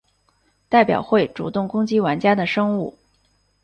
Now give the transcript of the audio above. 代表会主动攻击玩家的生物。